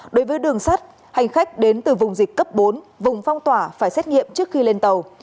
đối với đường sắt hành khách đến từ vùng dịch cấp bốn vùng phong tỏa phải xét nghiệm trước khi lên tàu